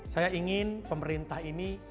saya ingin pemerintah ini